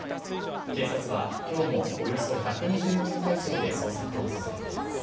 警察はきょうもおよそ１２０人態勢で捜索を続けています。